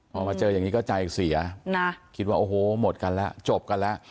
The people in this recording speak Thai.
พอมันเจอแบบนี้ก็ใจเสียคิดว่าหมดกันและจบกันและ